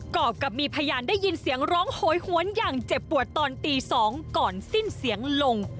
อกกับมีพยานได้ยินเสียงร้องโหยหวนอย่างเจ็บปวดตอนตี๒ก่อนสิ้นเสียงลง